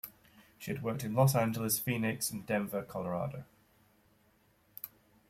She has worked in Los Angeles, Phoenix and Denver, Colorado.